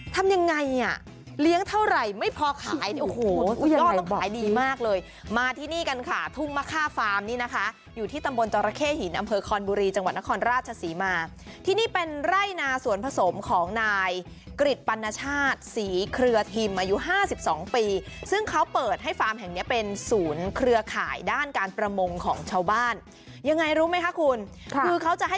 ทำยังไงอ่ะเลี้ยงเท่าไหร่ไม่พอขายโอ้โหยอดต้องขายดีมากเลยมาที่นี่กันค่ะทุ่งมะค่าฟาร์มนี่นะคะอยู่ที่ตำบลจรเข้หินอำเภอคอนบุรีจังหวัดนครราชศรีมาที่นี่เป็นไร่นาสวนผสมของนายกริจปัณชาติศรีเครือทิมอายุห้าสิบสองปีซึ่งเขาเปิดให้ฟาร์มแห่งเนี้ยเป็นศูนย์เครือข่ายด้านการประมงของชาวบ้านยังไงรู้ไหมคะคุณคือเขาจะให้